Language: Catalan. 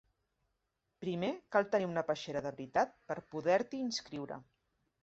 Primer cal tenir una peixera de veritat, per poder-t'hi inscriure.